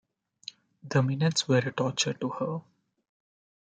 The minutes were a torture to her.